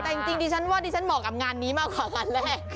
แต่จริงดิฉันว่าดิฉันเหมาะกับงานนี้มากกว่างานแรก